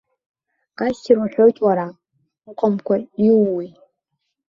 Ассир уҳәоит уара, уҟамкәа иууеи!